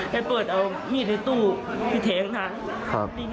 ให้เปิดออกมีดในตู้ไปทะเยงท้ะ